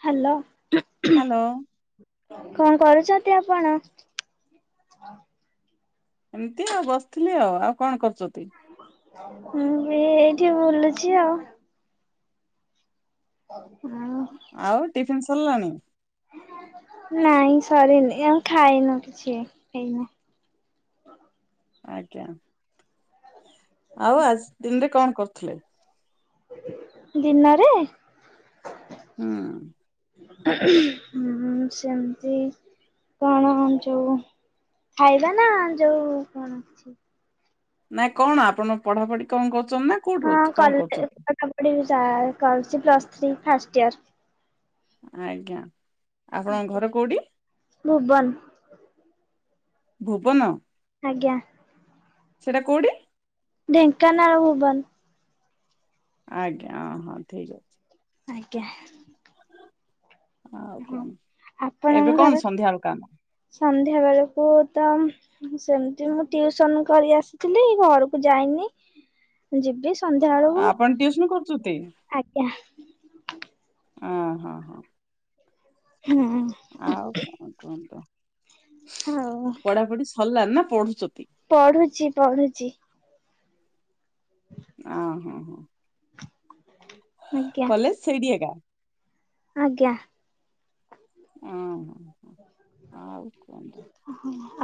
Hello. Hello. କଣ କରୁଚନ୍ତି ଆପଣ? ଏମତି ଆଉ ବସିଥିଲି ଆଉ କଣ କରୁଚନ୍ତି? ମୁଁ ବି ଏଇଠି ବୁଲୁଚି ଆଉ। ଆଉ? ଆଉ ଟିଫିିନ ସରିଲାଣି? ନାଇଁ ସରିନି ଆଉ ଖାଇନୁ କିଛି ଏଇନା। ଆଜ୍ଞା ଆଉ ଆଜି ଦିନରେ କଣ କରଥିଲେ? ଦିନରେ? ହୁଁ। ସେମିତି କଣ ଯୋଉ ଖାଇବା ନା ଯୋଉ କଣ ଅଛି? ନାଇଁ କଣ ଆପଣ ପଢାପଢି କଣ କରୁଛନ୍ତି ନା କୋଉଠି ରହୁ କଣ କରୁଛନ୍ତି? ଟିଭ ସା କରୁଛି ପ୍ଲସ ଥ୍ରୀ ଫାଷ୍ଟ ଇୟର। ଆଜ୍ଞା ଆପଣଙ୍କ ଇୟର। ଘର କୋଉଠି? ଭୁବନ। ଭୁବନ? ଆଜ୍ଞା ସେଟା କୋଉଠି? ଢେଙ୍କାନାଳ, ଭୁବନ। ଆଜ୍ଞା ହଁ ହଁ ଠିକ୍ ଅଛି। ଆଜ୍ଞା ହଁ। ଏବେ ଆପଣଙ୍କ କଣ ଘର ସନ୍ଧ୍ୟାବେଳକୁ କାମ? ସନ୍ଧ୍ୟା ବେଳକୁ ତ ସେମିତି ମୁଁ ଟିଉସନ କରି ଆସିଥିଲି ଘରକୁ ଯାଇନି ଯିବି ସନ୍ଧ୍ୟାବେଳକୁ ଆପଣ ଟିଉସନ କରୁଛନ୍ତି ଆଜ୍ଞା। ଆ ହଁ ହଁ। ହୁଁ। ଆଉ କଣ କୁହନ୍ତୁ, ହଉ ପଢାପଢି ସାରିଲାଣି ନା ପଢୁଛନ୍ତି? ପଢୁଛି, ପଢୁଛି। ଆ ହଁ ହଁ ଆଜ୍ଞା କଲେଜ ସେଇଠି ଏକା? ଆଜ୍ଞା ଆଉ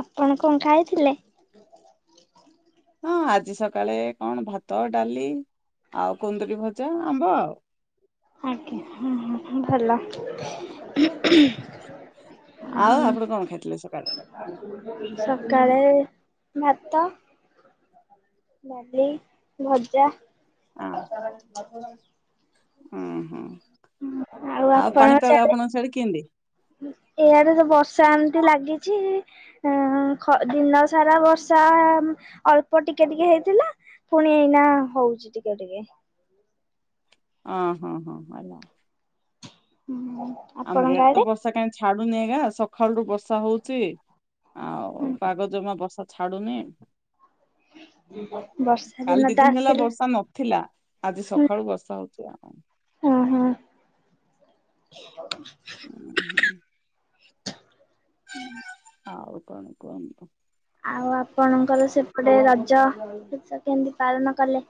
ଆପଣ କଣ ଖାଇଥିଲେ? ହଁ ଆଜି ସକାଳେ କଣ ଭାତ, ଡାଲି ଆଉ କୁନ୍ଦୁରି ଭଜା, ଆମ୍ବ ଆଉ। ଆଜ୍ଞ ଭଲ। ଆଉ ଆପଣ କଣ ଖାଇଥିଲେ ସକାଳେ? ସକାଳେ ଭାତ। ଡାଲି, ଭଜା। ହୁଁ ହୁଁ ଆଉ ପାଣିପାଗ ଆପଣଙ୍କ ସିଆଡେ କେମିତି? ଏଆଡେ ତ ବର୍ଷା ଏମିତି ଲାଗିଛି। ହଁ ଖ ଦିନ ସାରା ବର୍ଷା ଅଳ୍ପ ଟିକେ ଟିକେ ହେଇଥିଲା। ପୁଣି ଏଇନା ହୋଉଛି ଟିକେ ଟିକେ। ହଁ ହଁ ହଁ ହଁ ଆମର ୟାଡେ ତ ବର୍ଷା କାହିଁ ଛାଡୁନି ଆକା, ସକାଳୁଠୁ ବର୍ଷା ହୋଉଚି। ଆଉ ପାଗଜମା ବର୍ଷା ଛାଡୁନି। ବର୍ଷା କାଲି ତ ଦିନ ହେଲା ଆସିଲା। ବର୍ଷା ନ ଥିଲା ଆଜି ସକାଳୁ ବର୍ଷା ହୋଉଛି ଆଉ। ଉ ହଁ [inaudible] [inaudible] ଆଉ କଣ କୁହନ୍ତୁ? ଆଉ ଆପଣଙ୍କର ସେପଟେ ରଜ ସ କେମତି ପାଳନ କଲେ?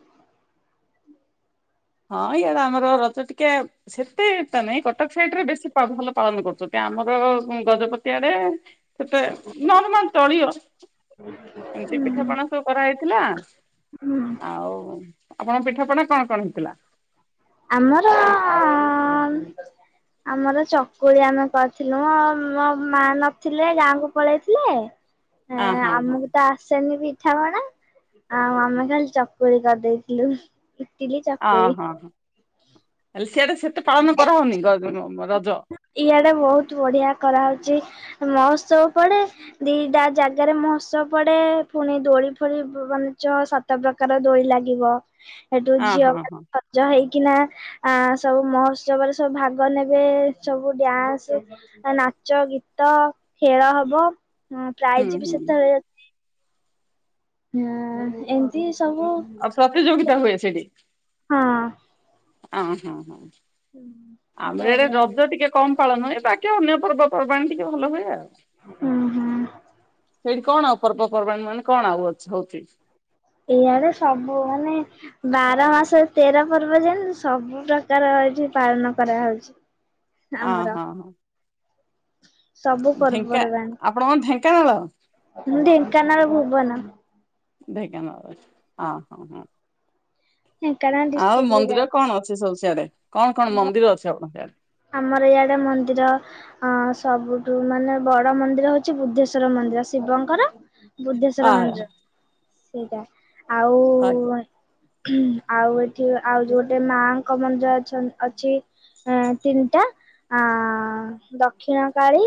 ହଁ ଇଆଡ଼େ ଆମର ରଜ ଟିକେ ସେତେ ଏତା ନାଇଁ କଟକ ସାଇଡ ରେ ବେଶୀ ଭଲ ପାଳନ କରୁଛନ୍ତି ଆମର ଗଜପତି ଆଡେ ସେତେ ନର୍ମାଲ ଚଳିବ। ହୁ ହଁ ଏମିତି ପିଠାପଣା ସବୁ କରାହେଇଥିଲା ଆଉ ଆପଣଙ୍କ ପିଠ ପଣା କଣ କଣ ହେଇଥିଲା? ଆମର ଆମର ଚକୁଳି ଆମେ କରିଥିଲୁ ମ ମୋ ମା ନଥିଲେ ଗାଁକୁ ପଳେଇଥିଲେ। ଆ ଏଁ ହଁ ହଁ ଆମକୁ ତ ଆସେନି ବି ପିଠା ପଣା ଆଉ ଆମେ ଖାଲି ଚକୁଳି କରିଦେଇଥିଲୁ ଇଟିଲି ଆ ଚକୁଳି। ହଁ ହଁ ହେଲେ ସିଆଡେ ସେତେ ପାଳନ କରାହଉନି ରଜ। ଇଆଡେ ବହୁତ ବଢିଆ କରାହେଉଛି ମହୋତ୍ସବ ପଡେ। ଦିଟା ଯାଗାରେ ମହୋତ୍ସବ ପଡେ ପୁଣି ଦୋଳି ଫୋଳି ମାନେ ଛ ସାତ ସାତ ପ୍ରକାର ଦୋଳି ଲାଗିବ? ସେଠୁ ଆ ହଁ ଝିଅମାନେ ହଁ ସଜ ହେଇକିନା ଆ ସବୁ ମହୋତ୍ସବରେ ସବୁ ଭାଗ ନେବେ। ସବୁ ଡ୍ୟାନ୍ସ ନାଚ ଗୀତ ଖେଳ ହବ। ହଁ ହୁଁ ପ୍ରାଇଜ ବି ହୁଁ ସେତେବେଳେ ହଁ ଏମିତି ସବୁ। ଆଉ ପ୍ରତିଯୋଗିତା ହୁଏ ସେଠି। ହଁ। ଅହ ହ ହ। ବଢିଆ ହେଇଛି। କମ ପାଳନ ଏ ବାକି ଅନ୍ୟ ପର୍ବପର୍ବାଣି ଟିକେ ଭଲ ହୁଏ ଆଉ ହୁଁ ହୁଁ। ସେଇଠି କଣ ଆଉ ପର୍ବପର୍ବାଣି ମାନେ କଣ ଆଉ ଅ ହଉଛି? ଇଆଡେ ସବୁ ମାନେ ବାର ମାସ ତେର ପର୍ବ ଯେମତି ସବୁ [inaudible] ପ୍ରକାର ଏଇଠି ପାଳନ କରାହେଉଛି। ଅହ ହଁ। ସବୁ ପର୍ବପର୍ବାଣି। ଆପଣ କଣ ଢେଙ୍କାନାଳ? ମୁଁ ଢେଙ୍କାନାଳ ଭୁବନ। ଢେଙ୍କାନାଳ ହ ହଁ ହୁଁ। ଢେଙ୍କାନାଲ୍ ଆଉ ମନ୍ଦିର କଣ ଅଛି ସବୁ ସିଆଡେ କଣ କଣ ମନ୍ଦିର ଅଛି ଆପଣଙ୍କ ଆଡେ? ଆମର ଇଆଡେ ମନ୍ଦିର ଅ ସବୁଠୁ ମାନେ ବଡ ମନ୍ଦିର ହଉଛି ବୁଦ୍ଧେଶ୍ଵର ମନ୍ଦିର ଶିବଙ୍କର। ଆ ବୁଦ୍ଧେଶ୍ଵର ମନ୍ଦିର ହା। ସେଇଟା ଆଉ ଆଜ୍ଞା। ଆଉ ଏଠି ଆଉ ଯୋଉଟେ ମାଙ୍କ ମନ୍ଦିର ଅଛ ଅଛି ତିନଟା ଆ ଦକ୍ଷିଣ କାଳି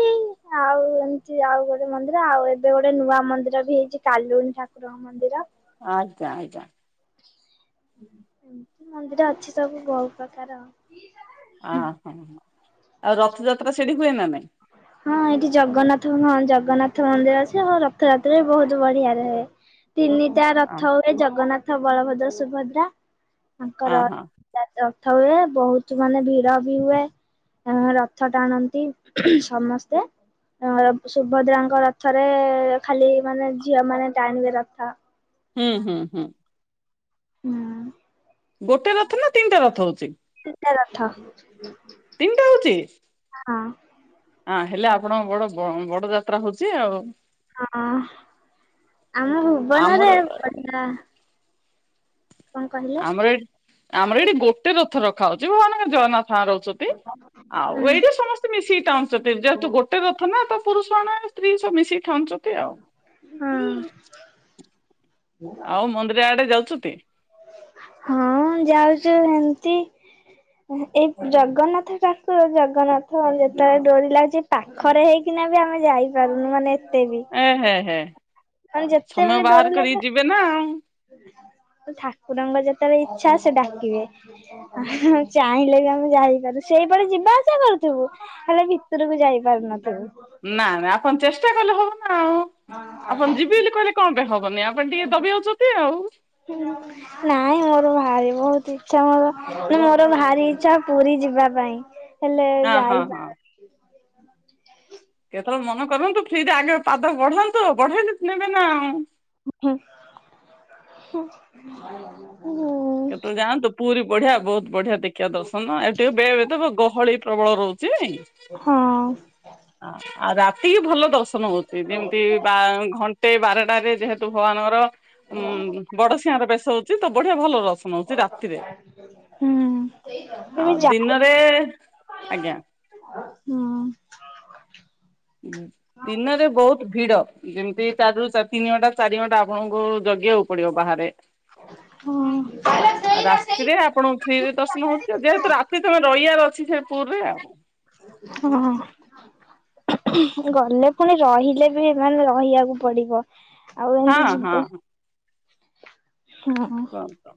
ଆଉ ଏମିତି ଆଉ ଗୋଟେ ମନ୍ଦିର ଆଉ ଏବେ ଗୋଟେ ନୂଆ ମନ୍ଦିର ବି ହେଇଛି। କାଲୁନୀ ଠାକୁରଙ୍କ ମନ୍ଦିର। ଆଜ୍ଞା ଆଜ୍ଞା। ଏମତି ମନ୍ଦିର ଅଛି ସବୁ ବହୁତ୍ ପ୍ରକାର। ଆଁ ହ ହ ଆଉ ରଥଯାତ୍ରା ସେଠି ହୁଏ ନା ନାଇଁ? ହ [unintelligible] ହଁ ଏଇଠି ଜଗନ୍ନାଥ ହଁ ଜଗନ୍ନାଥ ମନ୍ଦିର ଅଛି ଆଉ ରଥଯାତ୍ରା ବି ବହୁତ ବଢିଆରେ ହଏ। ତିନିଟା ଅ ରଥ ହୁଏ ଜଗନ୍ନାଥ ବଳଭଦ୍ର ସୁଭଦ୍ରା ତାଙ୍କର ହଁ ରଥ ହୁଏ ବହୁତ ମାନେ ଭିଡ ବି ହୁଏ ରଥ ଟାଣନ୍ତି। ସମସ୍ତେ। ସୁଭଦ୍ରାଙ୍କ ରଥରେ ଖାଲି ମାନେ ଝିଅମାନେ ଟାଣିବେ ରଥ। ହୁଁ ହୁଁ ହୁଁ। ହୁଁ। ଗୋଟେ ରଥ ନା ତିନିଟା ରଥ ହଉଛି? ତିନିଟା ରଥ। ତିନିଟା ହଉଛି। ହଁ। ହଁ ହେଲେ ଆପଣଙ୍କ ବଡ ବଡ ଯାତ୍ରା ହଉଛି ଆଉ। ହଁ ଆମ ଆମର ଭୁବନରେ ବଢିଆ କଣ କହିଲେ? ଆମର ଏଠି ଆମର ଏଇଠି ଗୋଟେ ରଥ ରଖା ହଉଛି ଭଗବାନଙ୍କ ଜଗନ୍ନାଥଙ୍କ ରହୁଛନ୍ତି। ହଁ ଆଉ ଏଇଠି ସମସ୍ତେ ମିଶିକି ଟାଣନ୍ତି ଯେହେତୁ ଗୋଟେ ରଥ ନା ତ ପୁରୁଷ ସ୍ତ୍ରୀ ସବୁ ମିଶିକି ଟାଣୁଛନ୍ତି ଆଉ। ହଁ। ଆଉ ମନ୍ଦିର ଆଡେ ଯାଉଛନ୍ତି? ହଁ ଯାଉଛୁ ଏମତି ଏଇ ଜଗନ୍ନାଥ ଠାକୁର ଜଗନ୍ନାଥ ଯେତେବେଳେ ଡୋରି ଲାଗି ପାଖରେ ହେଇକିନା ବି ଆମେ ଯାଇପାରୁନୁ ମାନେ ଏତେ ବି ଏ ହେ ହେ ମାନେ ସମୟ ଯେତେବେଳେ ଡର ବାହାର ଲାଗିଲା କରିକି ଯିବେ ନା ଆଉ ଠାକୁରଙ୍କ ଯେତେବେଳେ ଇଚ୍ଛା ସେ ଡାକିବେ। ଚାହିଁଲେ ବି ଆମେ ଯାଇପାରୁ ସେଇପଟେ ଯିବା ଆସିବା କରୁଥିବୁ ହେଲେ ଭିତରକୁ ଯାଇ ପାରୁନଥିବୁ। ନା ନା ଆପଣ ଚେଷ୍ଟା କଲେ ହବ ଆଉ ଆପଣ ଯିବି ବୋଲି କହିଲେ କଣ ପାଇଁ ହବନି ଆପଣ ଟିକେ ଦବି ଯାଉଛନ୍ତି ଆଉ। ହୁଁ। ନାଇଁ ମୋର ଭାରି ବହୁତ ଇଛା ମୋର ମୋର ଭାରି ଇଚ୍ଛା ପୁରୀ ଯିବା ପାଇଁ। ହେଲେ ହଁ ହଁ ଯାଇବା ହଁ। କେତେବେଳେ ମନ କରନ୍ତୁ ଫ୍ରିରେ ଆଗ ପାଦ ବଢାନ୍ତୁ ବଢେଇଲେ ନେବେ ନା ଆଉ। ହୁଁ। ହୁଁ। କେବେ ଯାଆନ୍ତୁ ପୁରୀ ବଢିଆ ବହୁତ ବଢିଆ ଦେଖିବା ଦର୍ଶନ ଆ ଟିକେ ବେ ଗହଳି ପ୍ରବଳ ରହୁଛି। ହଁ। ଆଉ ରାତି କି ଭଲ ଦର୍ଶନ ହଉଛି ଯେମିତି ବା ଘଣ୍ଟେ ବାରଟାରେ ଯେହେତୁ ଭଗବାନଙ୍କର ଉଁ ବଡ ସିଂହାର ବେଶ ହଉଛି ତ ବଢିଆ ଭଲ ରହୁ ରାତିରେ ହୁଁ କେବେ ଆଉ ଯାଇ ଦିନରେ ଆଜ୍ଞା ହୁଁ। ଦିନରେ ବହୁତ ଭିଡ ଯେମିତି ଚାରୁ ତିନି ଘଣ୍ଟା ଚାରି ଘଣ୍ଟା ଆପଣଙ୍କୁ ଜଗିବା ପଡିବ ବାହାରେ ହଁ ଆଉ ରାତିରେ ଆପଣଙ୍କୁ ଫ୍ରିରେ ଦର୍ଶନ ହଉଛି ଯେହେତୁ ରାତି ତମେ ରହିବାର ଅଛି ସେ ପୁରୀ ରେ ଆଉ। ହଁ। ଗଲେ ପୁଣି ରହିଲେ ବି ମାନେ ରହିବାକୁ ପଡିବ ଆଉ ହଁ ଏମିତି ହଁ ଯିବୁ ହୁଁ କୁହନ୍ତୁ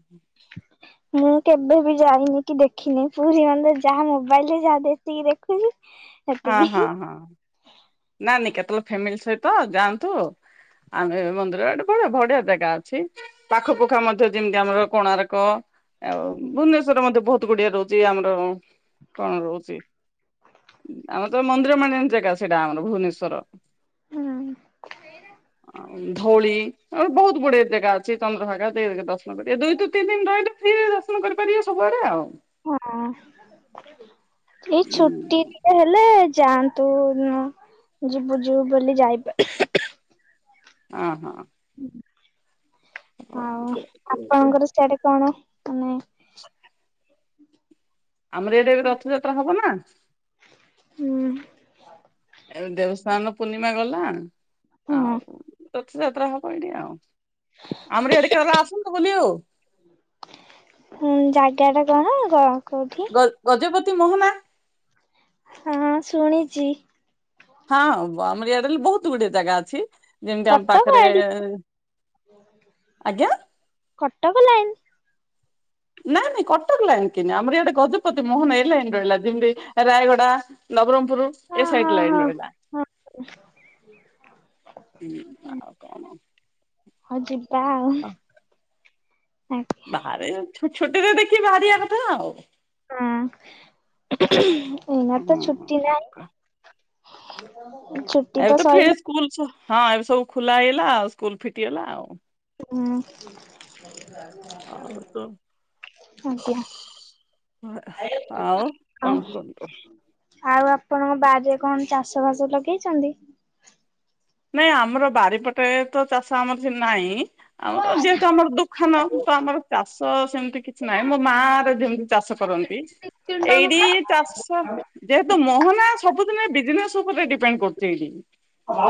ମୁଁ କେବେ ବି ଯାଇନି କି ଦେଖିନି ପୁରୀ ମନ୍ଦିର ଯାହା ମୋବାଇଲ ରେ ଯାହା ଯେତିକି ଦେଖିଲି ହୁଁ [inaudible] ହଁ ହଁ ହଁ ନା ନାଇଁ କେତେବେଳେ ଫ୍ୟାମିଲି ସହିତ ଯାଆନ୍ତୁ ଆମେ ମନ୍ଦିର ଆଡ଼କୁ ବଢିଆ ଜାଗା ଅଛି। ପାଖପୁଖା ମଧ୍ୟ ଯେମିତି ଆମର କୋଣାର୍କ ଆଉ ଭୁବନେ ଶ୍ୱର ମଧ୍ୟ ବହୁତ ଗୁଡିଏ ରହୁଛି। ଆମର କଣ ରହୁଛି? ଆମର ତ ମନ୍ଦିର ମାଳିନୀ ଜାଗା ସେଇଟା ଆମର ଭୁବନେଶ୍ୱର। ଧଉଳି ଆ ବହୁତ ଗୁଡେ ଜାଗା ଅଛି ଚନ୍ଦ୍ରଭାଗା ଦେଇ ଦର୍ଶନ କରିବେ ଦୁଇ ରୁ ତିନି ଦିନ ରହିଲେ ଏଠି ଦର୍ଶନ କରିପାରିବେ ସବୁଆଡେ ଆଉ। ହଁ ଏଇ ଛୁ ଟି ଟିକେ ହେଲେ ଯାଆନ୍ତୁ ଯିବୁ ଯିବୁ ବୋଲି ଯାଇପା ହଁ ଆଉ ଆପଣଙ୍କର ସେଆଡେ କଣ ମାନେ ଆମର ଇଆଡ଼େ ରଥଯାତ୍ରା ହବ ନା ହୁଁ [unintelligible] ଦେବସ୍ନାନ ପୂର୍ଣ୍ଣିମା ଗଲା। ହଁ ଆଉ ରଥଯାତ୍ରା ହବ [unintelligible] ଆଉ, ଆମରି ଆଡେ କେବେ ଆସନ୍ତୁ ବୁଲି ଆଉ। ହୁଁ ଜାଗାଟା କଣ ଗ କୋଉଠି? ଗ ଗଜପତି ମୋହନା। ହଁ ଶୁଣିଚି। ହଁ ଆଉ ଆମରି ଇଆଡେଲ୍ ବହୁତ୍ ଗୁଡିଏ ଜାଗା ଅଛି। ଯେମିତି ଆମ କଟକ ପାଖରେ ଏଲ୍, ଆଜ୍ଞା କଟକ ଲାଇନ୍ ନାଇଁ ନାଇଁ କଟକ ଲାଇନ୍ କିିନି ଆମରି ଆଡେ ଗଜପତି ମୋହନ ଏଇ ଲାଇନ୍ ରହିଲା ଯେମ୍ତି ରାୟଗଡା ନବରଙ୍ଗପୁରୁ ହଁ ଏ ସାଇଟ୍ ହଁ ହଁ ଲାଇନ୍ ରହିଲା। ହଁ ହୁଁ ଆଉ କଣ? ହଁ ଯିବା ଆଉ [unintelligible] ବାହାରେ ଛୁଟିରେ ଦେଖି ବାହାରିଆ କଥା ଆଉ। ହଁ। ଏଇନା ତ ଛୁଟି ନାହିଁ [unintelligible] ଛୁଟି ଏବେ ତ ଫେର ସଇଲା। ହଁ ଏବେ ସବୁ ଖୁଲା ହେଇଗଲା ଆଉ ସ୍କୁଲ୍ ଫିଟିଗଲା ଆଉ। ହୁଁ ଆଉ ଆଜ୍ଞା। ଆଉ ଆଉ କଣ କୁଅନ୍ତୁ। ଆଉ ଆପଣଙ୍କ ବାରିରେ କଣ ଚାଷବାସ ଲଗେଇଚନ୍ତି? ନାଇଁ ଆମର ବାରିପଟେ ତ ଚାଷ ଆମର ସେ ନାହିଁ, ଆମର ଯେହେତୁ ଆମର ଦୁ ଖାନ ତ ଆମର ଚାଷ ସେମ୍ତି କିଛି ନାହିଁ, ମୋ ମା ର ଯେମିତି ଚାଷ କରନ୍ତି। ଏଇଟି ଚାଷ ଯେହେତୁ ମୋହନା ସବୁଦିନେ ବିଜନେସ୍ ଉପରେ ଡିପେଣ୍ଡ କରୁଚି ଏଇଟି। [unintelligible]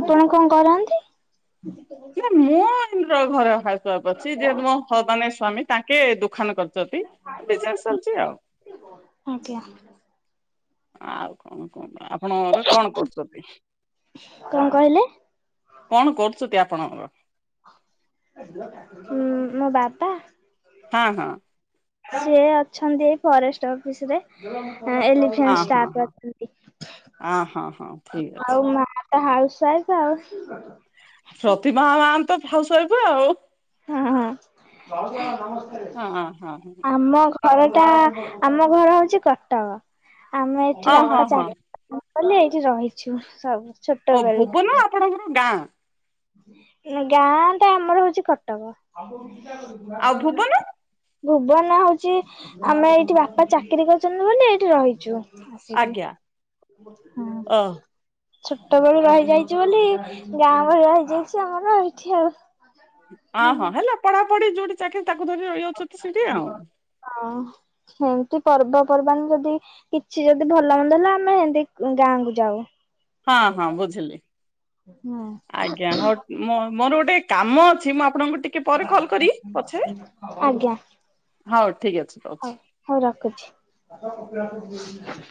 ଆପଣ କଣ କରନ୍ତି? [unintelligible] [unintelligible] ମୋ ହ ମନେ ସ୍ଵାମୀ ତାଙ୍କେ ଦୋଖାନ କରିଚନ୍ତି ବିଜନେସ୍ ଚାଲ୍ଚି ଆଉ। ଆଜ୍ଞା। ଆଉ କଣ କୁହନ୍ତୁ, ଆପଣଙ୍କ ଘରେ କଣ କରୁଚତି? କଣ କହିଲେ? କଣ କରୁଚତି ଆପଣଙ୍କ [unintelligible] ଉଁ ମୋ ବାପା? ହଁ-ହଁ। ସିଏ ଅଛନ୍ତି ଏ ଫରେଷ୍ଟ ଅଫିସ୍ ରେ ଏଲି ଅ [unintelligible] ହଁ ଷ୍ଟାପ୍ ହଁ ଅଛନ୍ତି, ଅ ହଁ ହଁ ଠିକ ଅଛି। ଆଉ ମା ତ ହାଉସ୍ ୱାଇଫ୍ ଆଉ। [unintelligible] ହାଉସ୍ ୱାଇଫ୍ ଆଉ। ହଁ। ହଁ-ହଁ। ଆମ ଘରଟା ଆମ ଘର ହଉଛି କଟକ, ଆମେ ଏଠି ଅ ହଁ ବାପା ହଁ ଚାକି କଲେ ଏଇଠି ରହିଛୁ ସବୁ। ଛୋଟ ଓ ବେଳୁ। ଭୋବନ ଆପଣଙ୍କର ଗାଁ? ଗାଁ ଟା ଆମର ହଉଚି କଟକ। ଆଉ ଭୁବନ ଭୁବନ ହଉଚି ଆମେ ଏଇଠି ବାପା ଚାକିରି କରିଚନ୍ତି ବୋଲି ଏଇଠି ରହିଚୁ। ଆଜ୍ଞା ହୁଁ। ଓ ଛୋଟବେଳୁ ରହିଯାଇଚୁ ବୋଲି ଗାଁ ଭଳିଆ ହେଇଯାଇଚି ଆମର ଏଠି ଆଉ। ଅଁ ହଁ ହେଲା ପଢାପଢି ଯୋଉଠି ଚାକିରି ତାକୁ ଧରି ରହିଯାଉଚନ୍ତି ସେଠି ଆଉ। ହଁ ସେମ୍ତି ପର୍ବପର୍ବାଣୀ ଯଦି କିଛି ଯଦି ଭଲ ମନ୍ଦ ହେଲା ଆମେ ଏନ୍ତି ଗାଁକୁୁ ଯାଉ। ହଁ-ହଁ ବୁଝିଲି ହୁଁ ଆଜ୍ଞା ହଉ। ମୋ ମୋର ଗୋଟେ କାମ ଅଛି ମୁଁ ଆପଣଙ୍କୁ ଟିକେ ପରେ କଲ କରିଇ ପଛରେ। ଆଜ୍ଞା ହଉ ଠିକ ଅଛି। ରହୁଛି। ହଉ ହଉ ରଖୁଛି।